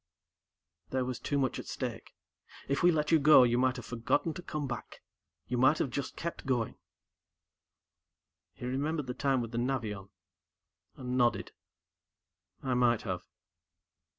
"There was too much at stake. If we let you go, you might have forgotten to come back. You might have just kept going." He remembered the time with the Navion, and nodded. "I might have."